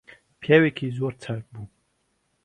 پیاوێکی زۆر چاک بوو